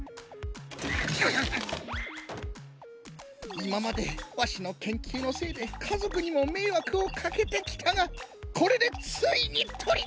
いままでワシのけんきゅうのせいでかぞくにもめいわくをかけてきたがこれでついにとりかえせる！